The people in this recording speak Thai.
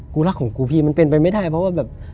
รักของกูพี่มันเป็นไปไม่ได้เพราะว่าแบบ